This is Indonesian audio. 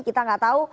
kita nggak tahu